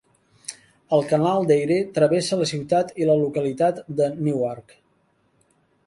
El canal d'Erie travessa la ciutat i la localitat de Newark.